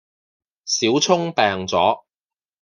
小聰病咗